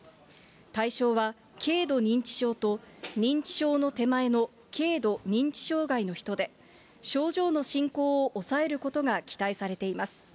対象は軽度認知症と、認知症の手前の軽度認知障害の人で、症状の進行を抑えることが期待されています。